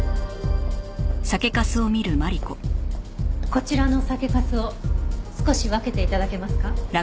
こちらの酒粕を少し分けて頂けますか？